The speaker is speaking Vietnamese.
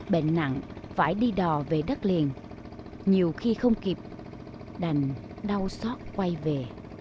bệnh nặng phải đi đò về đất liền nhiều khi không kịp đành đau xót quay về